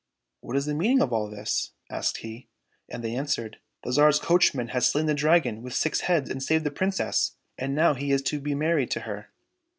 " What is the meaning of all this ?" asked he. And they answered, *' The Tsar's coachman has slain the Dragon with six heads and saved the Princess, and now he is to be married to her."